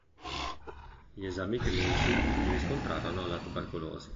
Gli esami clinici gli riscontrarono la tubercolosi.